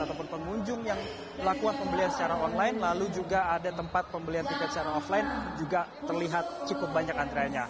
ataupun pengunjung yang melakukan pembelian secara online lalu juga ada tempat pembelian tiket secara offline juga terlihat cukup banyak antreannya